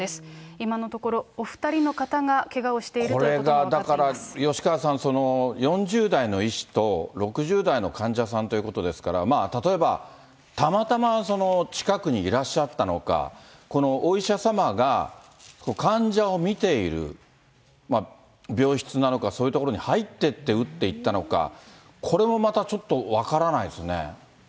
今のところ、お２人の方がけがをしているということが分かっていこれがだから、吉川さん、４０代の医師と６０代の患者さんということですから、例えばたまたまその近くにいらっしゃったのか、このお医者様が、患者を診ている病室なのか、そういう所に入って行って撃っていったのか、これもまたちょっと分からないですね。